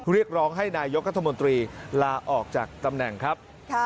เรียกร้องให้นายกรัฐมนตรีลาออกจากตำแหน่งครับ